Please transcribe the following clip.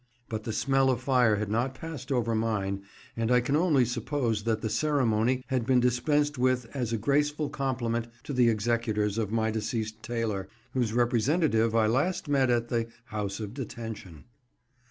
But the smell of fire had not passed over mine, and I can only suppose that the ceremony had been dispensed with as a graceful compliment to the executors of my deceased tailor, whose representative I last met at the "House of Detention."